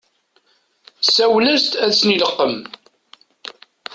Sawel-as-d ad asen-ileqqem.